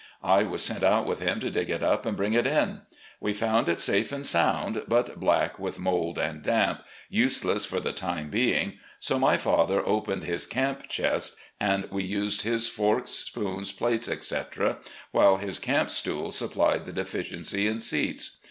I was sent out with him to dig it up and bring it in. We found it safe and sound, but black with mould and damp, useless for the time being, so my father opened his camp chest and THE IDOL OP THE SOUTH 205 •we used his forks, spoons, plates, etc., while his camp stools supplied the deficiency in seats.